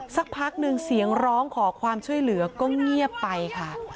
สักพักหนึ่งเสียงร้องขอความช่วยเหลือก็เงียบไปค่ะ